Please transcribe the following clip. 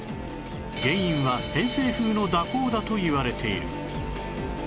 原因は偏西風の蛇行だといわれている